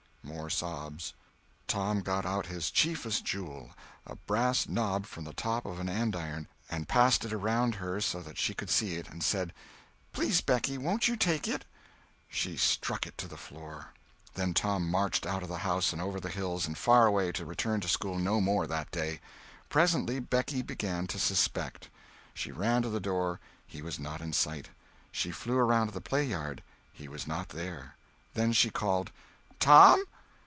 More sobs. Tom got out his chiefest jewel, a brass knob from the top of an andiron, and passed it around her so that she could see it, and said: "Please, Becky, won't you take it?" She struck it to the floor. Then Tom marched out of the house and over the hills and far away, to return to school no more that day. Presently Becky began to suspect. She ran to the door; he was not in sight; she flew around to the play yard; he was not there. Then she called: "Tom!